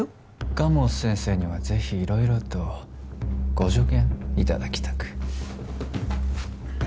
蒲生先生にはぜひ色々とご助言いただきたく